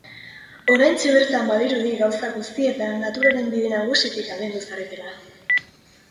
Oraintxe bertan badirudi gauza guztietan naturaren bide nagusitik aldendu zaretela.